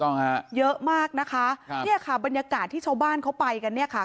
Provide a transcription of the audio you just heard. ต้องฮะเยอะมากนะคะครับเนี่ยค่ะบรรยากาศที่ชาวบ้านเขาไปกันเนี่ยค่ะ